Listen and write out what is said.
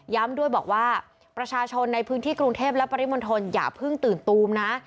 ด้วยบอกว่าประชาชนในพื้นที่กรุงเทพและปริมณฑลอย่าเพิ่งตื่นตูมนะ